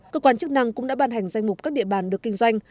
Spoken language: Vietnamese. cơ quan chức năng cũng đã ban hành danh mục các địa bàn được kinh doanh